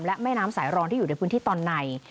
และแม่น้ำสายรองที่อยู่ในพื้นที่ตอนใน